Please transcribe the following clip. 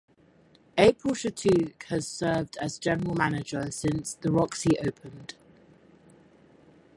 April Shattuck has served as general manager since The Roxy opened.